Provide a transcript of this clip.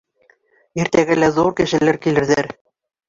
Иртәгә лә ҙур кешеләр килерҙәр.